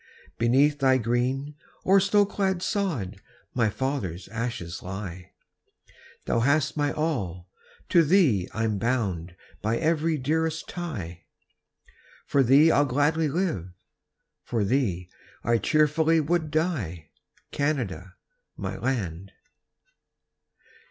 Beneath thy green or snow clad sod My fathers' ashes lie; Thou hast my all, to thee I'm bound By every dearest tie; For thee I'll gladly live, for thee I cheerfully would die, Canada, my land.